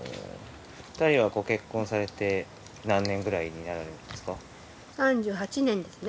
２人はご結婚されて何年くらいになるんですか？